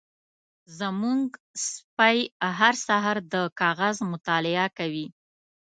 زمونږ سپی هر سهار د کاغذ مطالعه کوي.